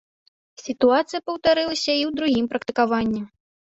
Сітуацыя паўтарылася і ў другім практыкаванні.